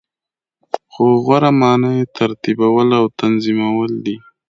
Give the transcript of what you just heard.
خو غوره معنا یی ترتیبول او تنظیمول دی .